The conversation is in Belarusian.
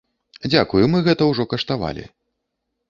Дзякуй, мы гэта ўжо каштавалі.